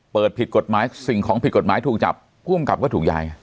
ผิดกฎหมายสิ่งของผิดกฎหมายถูกจับผู้อำกับก็ถูกย้าย